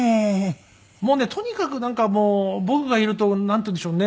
もうねとにかくなんか僕がいるとなんていうんでしょうね？